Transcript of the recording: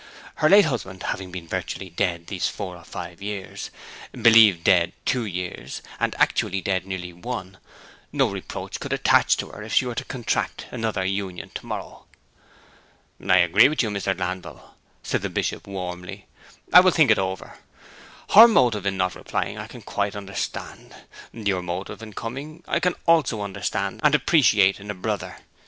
Her late husband having been virtually dead these four or five years, believed dead two years, and actually dead nearly one, no reproach could attach to her if she were to contract another union to morrow.' 'I agree with you, Mr. Glanville,' said the Bishop warmly. 'I will think this over. Her motive in not replying I can quite understand: your motive in coming I can also understand and appreciate in a brother.